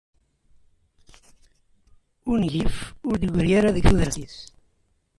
Ungif ur d-gri ara deg tudert-is.